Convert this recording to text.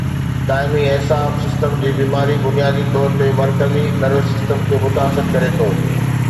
دائمي اعصاب سسٽم جي بيماري بنيادي طور تي مرڪزي نروس سسٽم کي متاثر ڪري ٿو